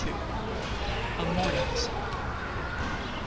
M. A morning Psalm.